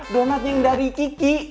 donatnya yang dari kiki